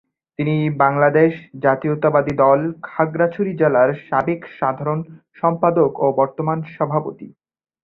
তিনি বাংলাদেশ জাতীয়তাবাদী দল, খাগড়াছড়ি জেলার সাবেক সাধারণ সম্পাদক ও বর্তমান সভাপতি।